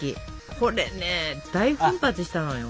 これね大奮発したのよ。